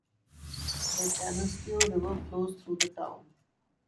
The Canisteo River flows through the town.